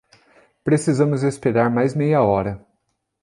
Precisamos esperar mais meia hora.